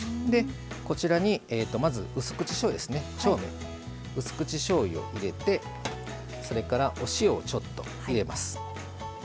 こちらに、まずうす口しょうゆを入れてそれからお塩をちょっと入れます。